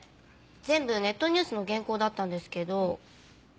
全部ネットニュースの原稿だったんですけどここ。